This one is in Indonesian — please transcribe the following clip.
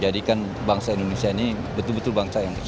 dari satu ratus dua peserta